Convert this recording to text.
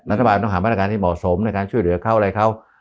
รัฐบาลต้องหามาตรการที่เหมาะสมในการช่วยเหลือเขาอะไรเขา